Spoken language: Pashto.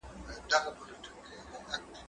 زه کولای سم ليکلي پاڼي ترتيب کړم!.